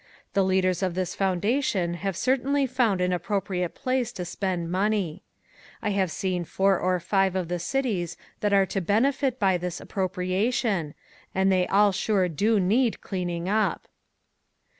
The leaders of this foundation have certainly found an appropriate place to spend money. I have seen four or five of the cities that are to benefit by this appropriation and they all sure do need cleaning up.